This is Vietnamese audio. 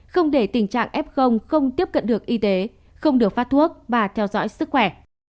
không để tình trạng f không tiếp cận được y tế không được phát thuốc và theo dõi sức khỏe